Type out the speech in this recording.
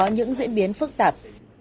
và những diễn biến phức tạp